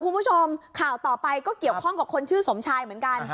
คุณผู้ชมข่าวต่อไปก็เกี่ยวข้องกับคนชื่อสมชายเหมือนกัน